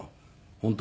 本当？